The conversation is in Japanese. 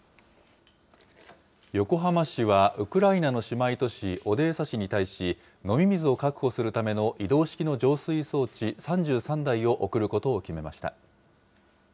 横浜市は、ウクライナの姉妹都市オデーサ市に対し、飲み水を確保するための移動式の浄水装置３３台を送ることを決めました。